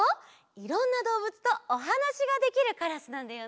いろんなどうぶつとおはなしができるカラスなんだよね。